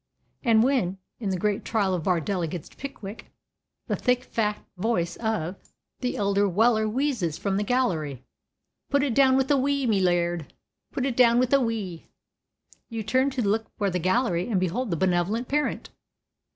And when, in the great trial of Bardell against Pickwick, the thick, fat voice of the elder Weller wheezes from the gallery, "Put it down with a wee, me Lerd, put it down with a wee," you turn to look for the gallery and behold the benevolent parent.